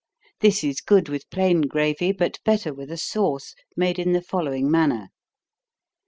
This is good with plain gravy, but better with a sauce, made in the following manner.